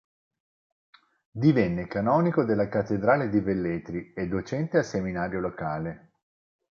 Divenne canonico della cattedrale di Velletri e docente al seminario locale.